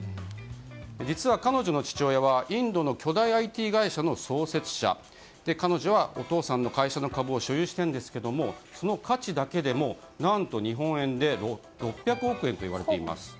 実は彼女の父親はインドの巨大ＩＴ会社の創設者で彼女は、お父さんの会社の株を所有しているんですがその価値だけでも何と日本円で６００億円といわれています。